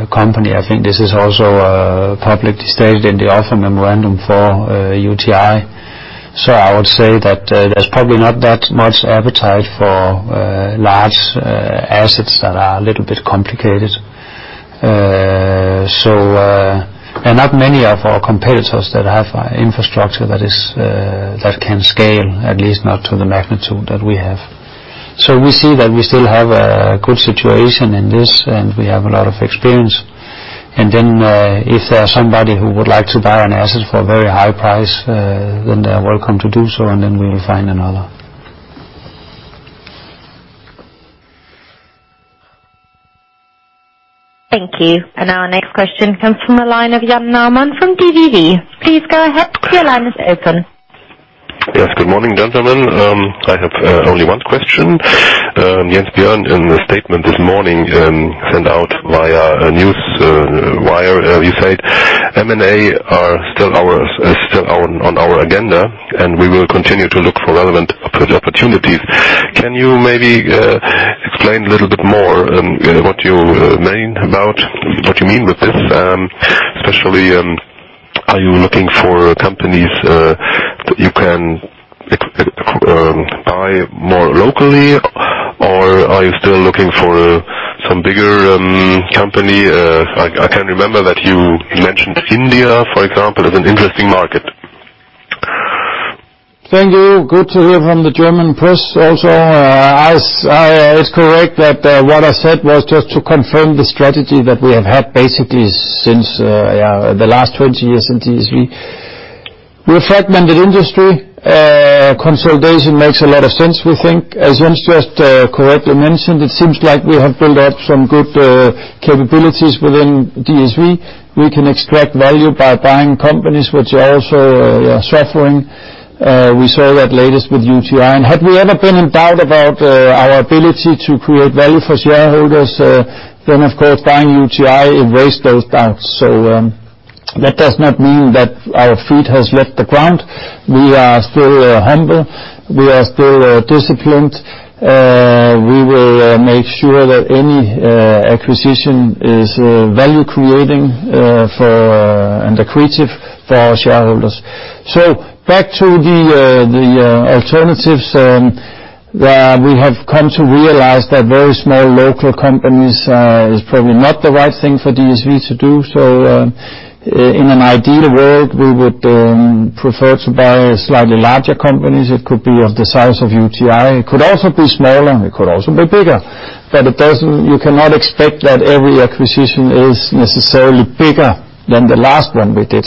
S3: company. I think this is also publicly stated in the offer memorandum for UTi. I would say that there's probably not that much appetite for large assets that are a little bit complicated. There are not many of our competitors that have infrastructure that can scale, at least not to the magnitude that we have. We see that we still have a good situation in this, and we have a lot of experience. Then, if there are somebody who would like to buy an asset for a very high price, then they're welcome to do so, and then we'll find another.
S1: Thank you. Our next question comes from the line of Jan Naumann from DVV. Please go ahead. Your line is open.
S10: Good morning, gentlemen. I have only one question. Jens Bjørn, in the statement this morning, sent out via a news wire, you said M&A are still on our agenda, and we will continue to look for relevant opportunities. Can you maybe explain a little bit more what you mean with this? Especially, are you looking for companies that you can buy more locally, or are you still looking for some bigger company? I can remember that you mentioned India, for example, as an interesting market.
S2: Thank you. Good to hear from the German press also. It's correct that what I said was just to confirm the strategy that we have had basically since the last 20 years in DSV. We're a fragmented industry. Consolidation makes a lot of sense, we think. As Jens just correctly mentioned, it seems like we have built up some good capabilities within DSV. We can extract value by buying companies which are also suffering. We saw that latest with UTI. Had we ever been in doubt about our ability to create value for shareholders, then, of course, buying UTI erased those doubts. That does not mean that our feet has left the ground. We are still humble. We are still disciplined. We will make sure that any acquisition is value creating and accretive for our shareholders.
S3: Back to the alternatives, we have come to realize that very small local companies is probably not the right thing for DSV to do. In an ideal world, we would prefer to buy slightly larger companies. It could be of the size of UTi. It could also be smaller, and it could also be bigger. You cannot expect that every acquisition is necessarily bigger than the last one we did.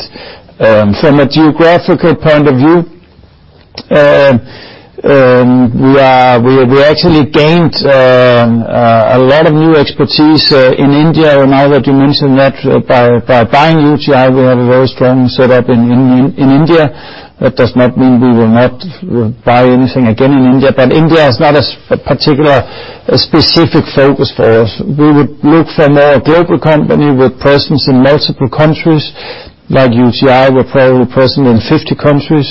S3: From a geographical point of view, we actually gained a lot of new expertise in India now that you mentioned that. By buying UTi, we have a very strong setup in India. That does not mean we will not buy anything again in India, but India is not a specific focus for us. We would look for more a global company with presence in multiple countries. Like UTi, we're probably present in 50 countries.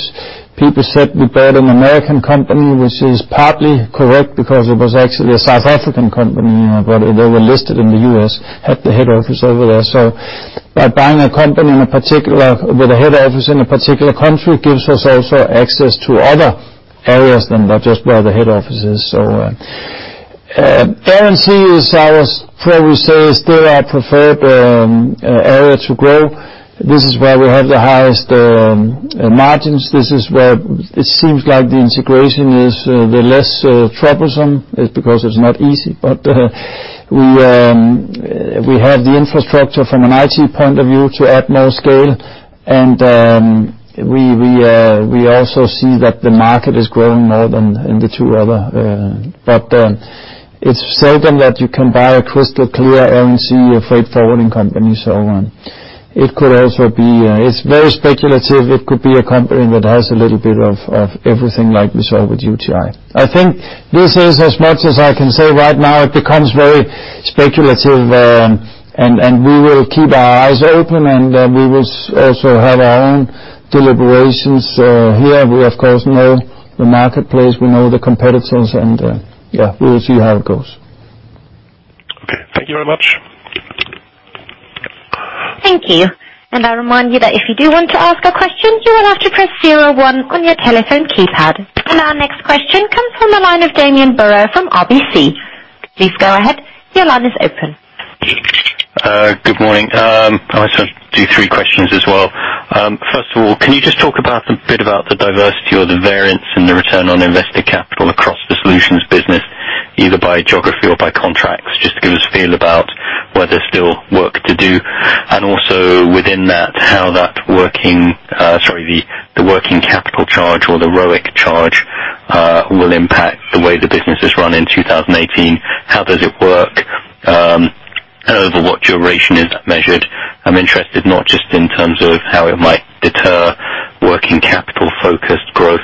S3: People said we bought an American company, which is partly correct because it was actually a South African company, but they were listed in the U.S., had the head office over there. By buying a company with a head office in a particular country gives us also access to other
S2: areas than just where the head office is. Air & Sea is our, fairly say, still our preferred area to grow. This is where we have the highest margins. This is where it seems like the integration is the less troublesome. It's because it's not easy. We have the infrastructure from an IT point of view to add more scale, and we also see that the market is growing more than in the two other. It's seldom that you can buy a crystal clear Air & Sea or freight forwarding company, so on. It's very speculative. It could be a company that has a little bit of everything like we saw with UTi. I think this is as much as I can say right now. It becomes very speculative, and we will keep our eyes open, and we will also have our own deliberations here. We, of course, know the marketplace, we know the competitors, and we will see how it goes.
S10: Okay. Thank you very much.
S1: Thank you. I remind you that if you do want to ask a question, you will have to press 01 on your telephone keypad. Our next question comes from the line of Damian Brewer from RBC. Please go ahead. Your line is open.
S11: Good morning. I'll just do three questions as well. First of all, can you just talk a bit about the diversity or the variance in the return on invested capital across the Solutions business, either by geography or by contracts, just to give us a feel about where there's still work to do? Also within that, how the working capital charge or the ROIC charge will impact the way the business is run in 2018. How does it work? Over what duration is that measured? I'm interested not just in terms of how it might deter working capital-focused growth,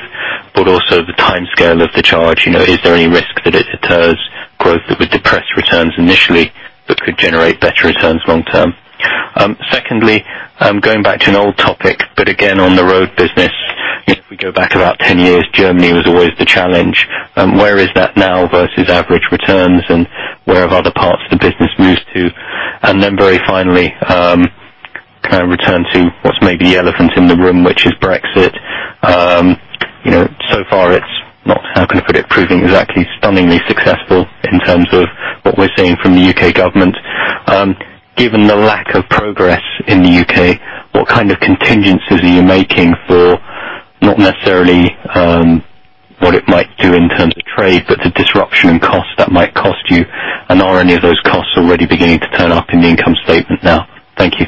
S11: but also the timescale of the charge. Is there any risk that it deters growth that would depress returns initially but could generate better returns long-term? Secondly, going back to an old topic, but again on the Road business, if we go back about 10 years, Germany was always the challenge. Where is that now versus average returns and where have other parts of the business moved to? Very finally, can I return to what's maybe the elephant in the room, which is Brexit. So far it's not, how can I put it, proving exactly stunningly successful in terms of what we're seeing from the U.K. government. Given the lack of progress in the U.K., what kind of contingencies are you making for, not necessarily what it might do in terms of trade, but the disruption and cost that might cost you? Are any of those costs already beginning to turn up in the income statement now? Thank you.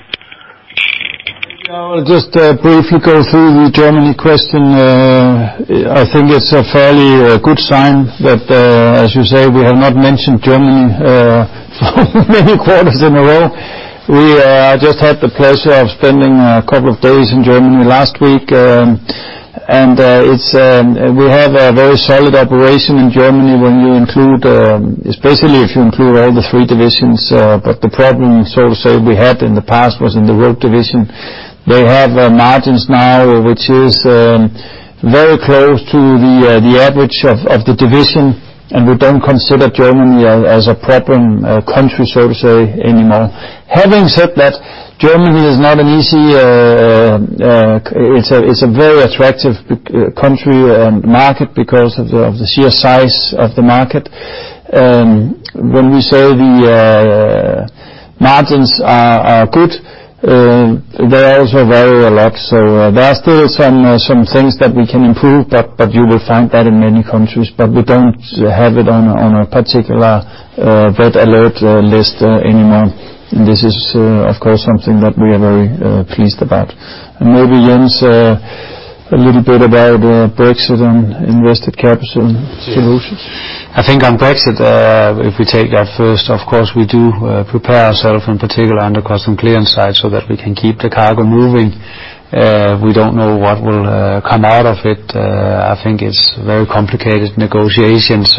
S2: I'll just briefly go through the Germany question. I think it's a fairly good sign that, as you say, we have not mentioned Germany for many quarters in a row. We just had the pleasure of spending a couple of days in Germany last week. We have a very solid operation in Germany especially if you include all the three divisions. The problem, so to say, we had in the past was in the Road division. They have margins now, which is very close to the average of the division, and we don't consider Germany as a problem country, so to say, anymore. Having said that, Germany is a very attractive country and market because of the sheer size of the market. When we say the margins are good, they are also very relaxed. There are still some things that we can improve, but you will find that in many countries. We don't have it on a particular red alert list anymore. This is, of course, something that we are very pleased about. Maybe, Jens, a little bit about Brexit and invested capital Solutions.
S3: I think on Brexit, if we take that first, of course, we do prepare ourself in particular under custom clearance side so that we can keep the cargo moving. We don't know what will come out of it. I think it's very complicated negotiations.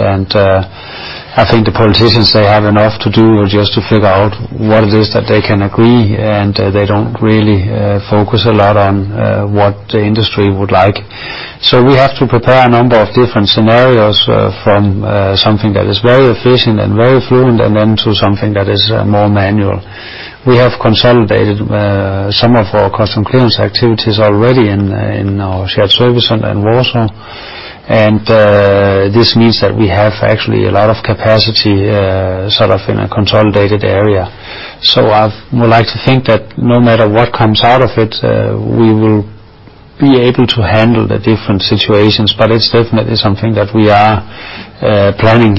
S3: I think the politicians, they have enough to do just to figure out what it is that they can agree, and they don't really focus a lot on what the industry would like. We have to prepare a number of different scenarios from something that is very efficient and very fluid and then to something that is more manual. We have consolidated some of our custom clearance activities already in our shared service center in Warsaw. This means that we have actually a lot of capacity, sort of in a consolidated area. I would like to think that no matter what comes out of it, we will be able to handle the different situations. It's definitely something that we are planning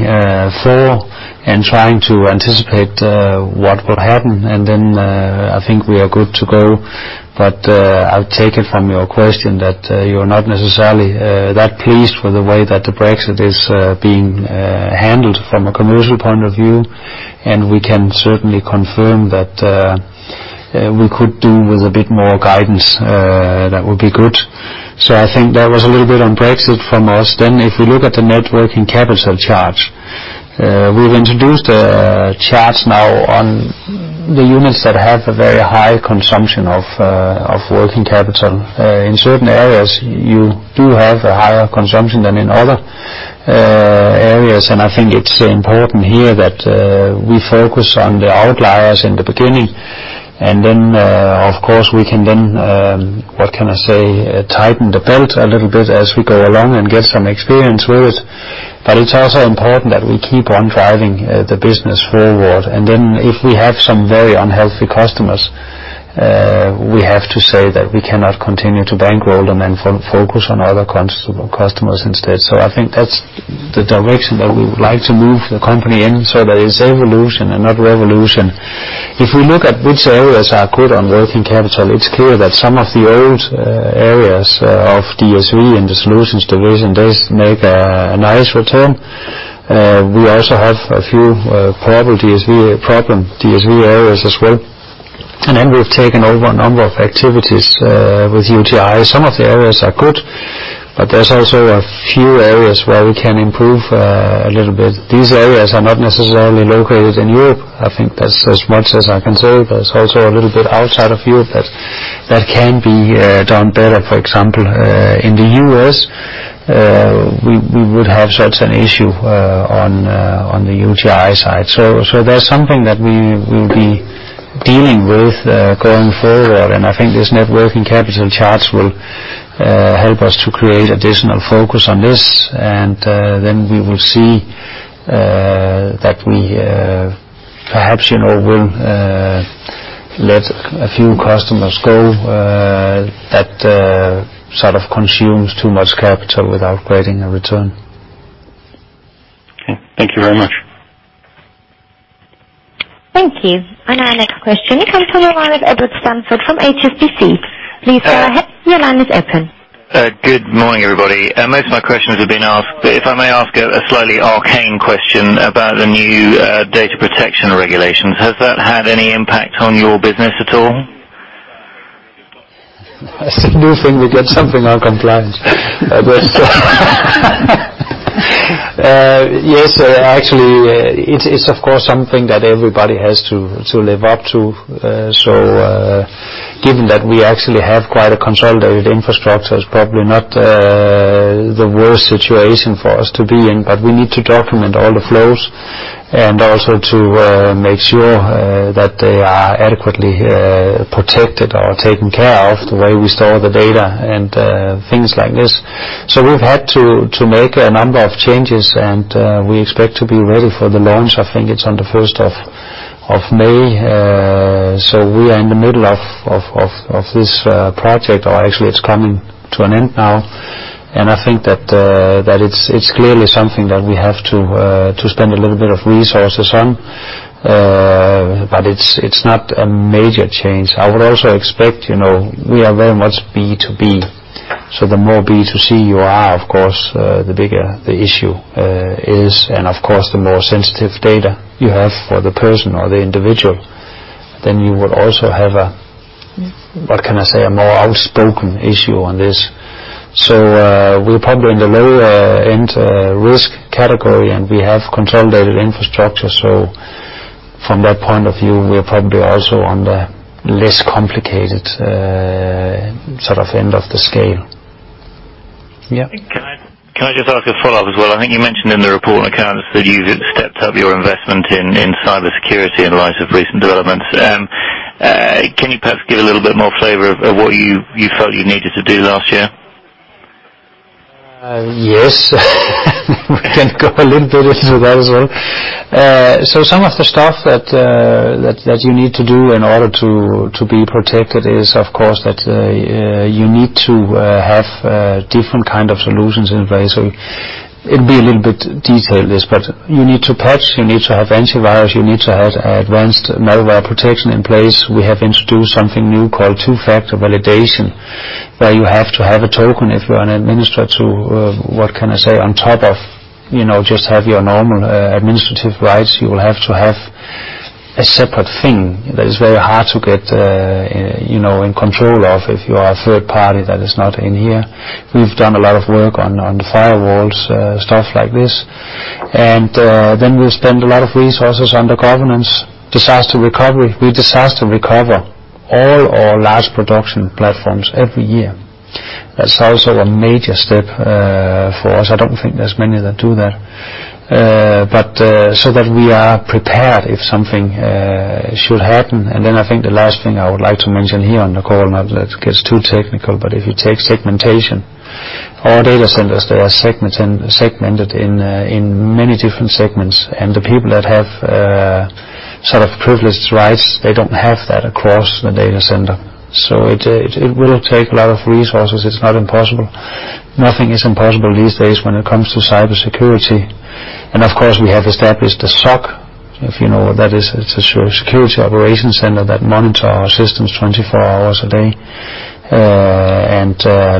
S3: for and trying to anticipate what will happen. I think we are good to go. I'll take it from your question that you're not necessarily that pleased with the way that the Brexit is being handled from a commercial point of view. We can certainly confirm that we could do with a bit more guidance. That would be good. I think that was a little bit on Brexit from us. If we look at the net working capital charge, we've introduced a charge now on the units that have a very high consumption of working capital. In certain areas, you do have a higher consumption than in other areas. I think it's important here that we focus on the outliers in the beginning. Then, of course, we can then, what can I say, tighten the belt a little bit as we go along and get some experience with. It's also important that we keep on driving the business forward. If we have some very unhealthy customers, we have to say that we cannot continue to bankroll them and focus on other customers instead. I think that's the direction that we would like to move the company in so that it's evolution and not revolution. If we look at which areas are good on working capital, it's clear that some of the old areas of DSV and the Solutions division, they make a nice return. We also have a few problem DSV areas as well. We've taken over a number of activities with UTi. Some of the areas are good, but there's also a few areas where we can improve a little bit. These areas are not necessarily located in Europe. I think that's as much as I can say. There's also a little bit outside of Europe that can be done better. For example, in the U.S., we would have such an issue on the UTi side. That's something that we will be dealing with going forward. I think these net working capital charge will help us to create additional focus on this. Then we will see that we perhaps will let a few customers go that sort of consumes too much capital without creating a return.
S11: Okay. Thank you very much.
S1: Thank you. Our next question comes from the line of Edward Stanford from HSBC. Please go ahead. Your line is open.
S12: Good morning, everybody. Most of my questions have been asked. If I may ask a slightly arcane question about the new data protection regulations. Has that had any impact on your business at all?
S3: It's a good thing we got something on compliance. Yes, actually, it's of course something that everybody has to live up to. Given that we actually have quite a consolidated infrastructure, it's probably not the worst situation for us to be in. We need to document all the flows and also to make sure that they are adequately protected or taken care of, the way we store the data and things like this. We've had to make a number of changes, and we expect to be ready for the launch. I think it's on the 1st of May. We are in the middle of this project, or actually it's coming to an end now. I think that it's clearly something that we have to spend a little bit of resources on. It's not a major change. I would also expect, we are very much B2B, the more B2C you are, of course, the bigger the issue is. Of course, the more sensitive data you have for the person or the individual, then you would also have a, what can I say, a more outspoken issue on this. We're probably in the lower-end risk category, and we have consolidated infrastructure. From that point of view, we're probably also on the less complicated sort of end of the scale. Yeah.
S12: Can I just ask a follow-up as well? I think you mentioned in the report that you've stepped up your investment in cybersecurity in light of recent developments. Can you perhaps give a little bit more flavor of what you felt you needed to do last year?
S3: Yes. We can go a little bit into that as well. Some of the stuff that you need to do in order to be protected is, of course, that you need to have different kind of solutions in place. It'll be a little bit detailed this, but you need to patch, you need to have antivirus, you need to have advanced malware protection in place. We have introduced something new called two-factor authentication, where you have to have a token if you're an administrator to, what can I say, on top of just have your normal administrative rights. You will have to have a separate thing that is very hard to get in control of if you are a third party that is not in here. We've done a lot of work on the firewalls, stuff like this. Then we spend a lot of resources on the governance disaster recovery. We disaster recover all our large production platforms every year. That's also a major step for us. I don't think there's many that do that. So that we are prepared if something should happen. Then I think the last thing I would like to mention here on the call, not that it gets too technical, but if you take segmentation. All data centers, they are segmented in many different segments. And the people that have sort of privileged rights, they don't have that across the data center. It will take a lot of resources. It's not impossible. Nothing is impossible these days when it comes to cybersecurity. Of course, we have established a SOC, if you know what that is. It's a security operations center that monitor our systems 24 hours a day,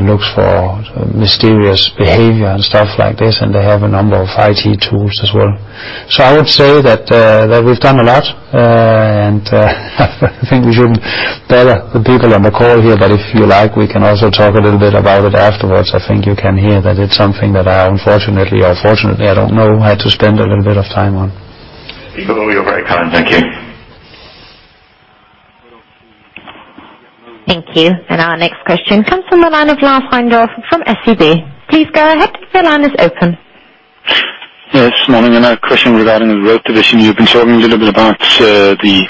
S3: looks for mysterious behavior and stuff like this, they have a number of IT tools as well. I would say that we've done a lot, I think we shouldn't bother the people on the call here, but if you like, we can also talk a little bit about it afterwards. I think you can hear that it's something that I, unfortunately or fortunately, I don't know, had to spend a little bit of time on.
S12: You're very kind. Thank you.
S1: Thank you. Our next question comes from the line of Lars Heindorff from SEB. Please go ahead. Your line is open.
S13: Yes. Good morning. A question regarding the Road division. You've been talking a little bit about the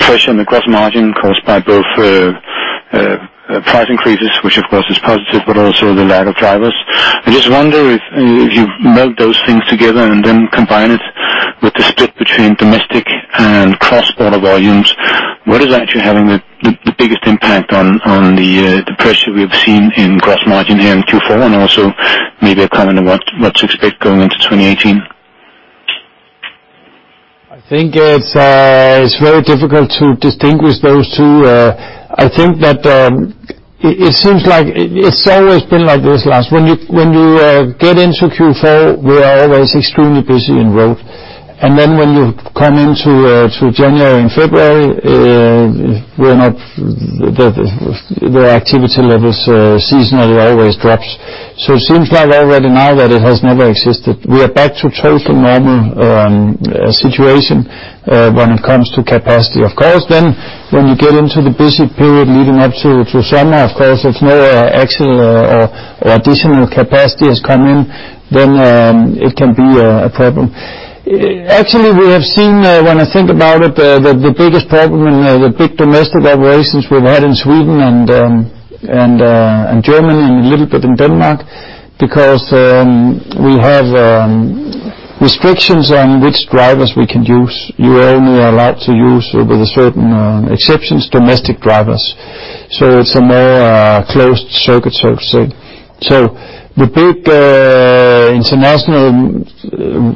S13: pressure on the gross margin caused by both price increases, which of course is positive, but also the lack of drivers. I just wonder if you melt those things together and combine it with the split between domestic and cross-border volumes, what is actually having the biggest impact on the pressure we've seen in gross margin here in Q4 and also maybe a comment on what to expect going into 2018?
S2: I think it's very difficult to distinguish those two. I think that it seems like it's always been like this, Lars. When you get into Q4, we are always extremely busy in Road. When you come into January and February, the activity levels seasonally always drops. It seems like already now that it has never existed. We are back to totally normal situation when it comes to capacity. Of course, when you get into the busy period leading up to summer, of course, if no actual or additional capacity has come in, then it can be a problem. Actually, we have seen when I think about it, the biggest problem in the big domestic operations we've had in Sweden and Germany and a little bit in Denmark because we have restrictions on which drivers we can use. You are only allowed to use, with certain exceptions, domestic drivers. It's a more closed circuit, so to say. The big international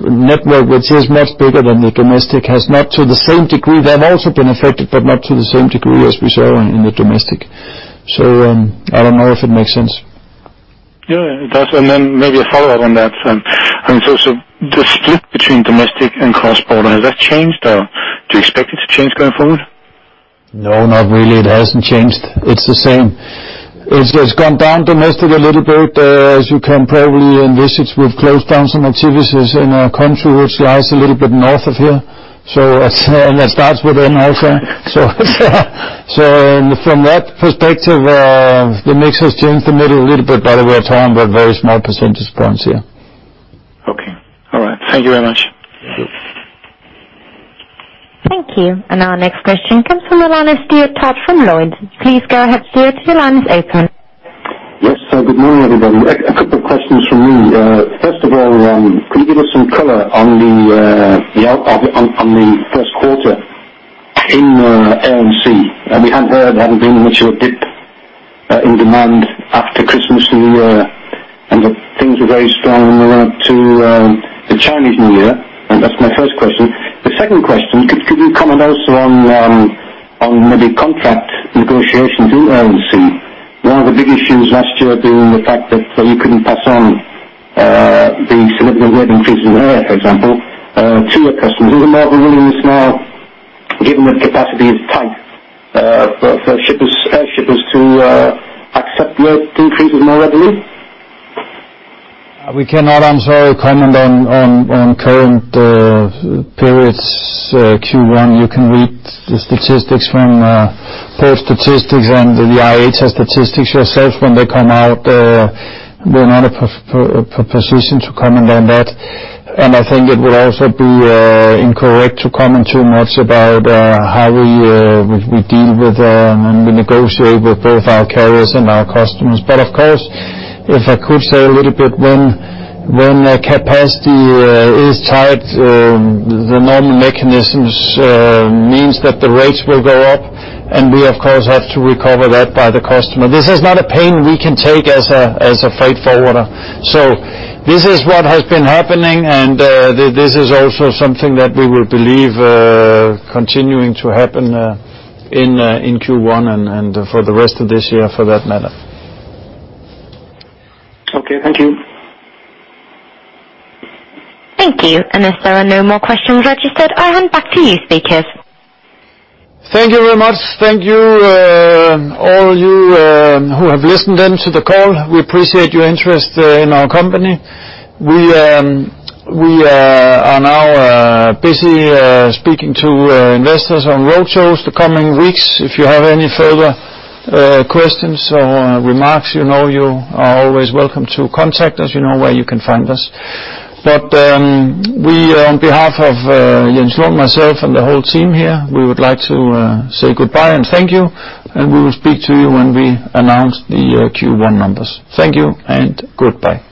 S2: network, which is much bigger than the domestic, they've also been affected, but not to the same degree as we saw in the domestic. I don't know if it makes sense.
S13: Yeah, it does. Then maybe a follow-up on that. The split between domestic and cross-border, has that changed or do you expect it to change going forward?
S2: No, not really. It hasn't changed. It's the same. It's gone down domestic a little bit, as you can probably envisage. We've closed down some activities in a country which lies a little bit north of here, and that starts with N also. From that perspective, the mix has changed a little bit, but we're talking about very small percentage points here.
S13: Okay. All right. Thank you very much.
S1: Thank you. Our next question comes from Alana Steer Todd from Lloyds. Please go ahead, Steer. Your line is open.
S14: Yes. Good morning, everybody. A couple questions from me. First of all, can you give us some color on the first quarter in Air & Sea? We have heard there had been a mature dip in demand after Christmas and New Year, and that things were very strong in the run-up to the Chinese New Year. That's my first question. The second question, could you comment also on maybe contract negotiations in Air & Sea? One of the big issues last year being the fact that you couldn't pass on the significant rate increases in air, for example, to your customers. Is it more willingness now, given that capacity is tight, for air shippers to accept the rate increases more readily?
S2: We cannot, I'm sorry, comment on current periods, Q1. You can read the statistics from port statistics and the IATA statistics yourself when they come out. We're not in a position to comment on that. I think it would also be incorrect to comment too much about how we deal with and we negotiate with both our carriers and our customers. Of course, if I could say a little bit, when capacity is tight, the normal mechanisms means that the rates will go up, we of course, have to recover that by the customer. This is not a pain we can take as a freight forwarder. This is what has been happening, this is also something that we will believe continuing to happen in Q1 and for the rest of this year, for that matter.
S14: Okay. Thank you.
S1: Thank you. If there are no more questions registered, I hand back to you speakers.
S2: Thank you very much. Thank you all you who have listened in to the call. We appreciate your interest in our company. We are now busy speaking to investors on roadshows the coming weeks. If you have any further questions or remarks, you are always welcome to contact us. You know where you can find us. On behalf of Jens Lund, myself, and the whole team here, we would like to say goodbye and thank you, and we will speak to you when we announce the Q1 numbers. Thank you and goodbye